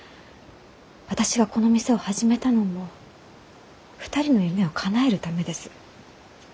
私がこの店を始めたのも２人の夢をかなえるためです。